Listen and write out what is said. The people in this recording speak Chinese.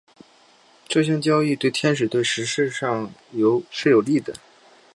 这项交易对天使队事实上是有利的。